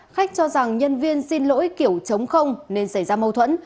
khách cho rằng nhân viên xin lỗi kiểu chống không nên xảy ra mâu thuẫn